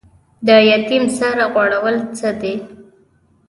د یتیم سر غوړول څه دي؟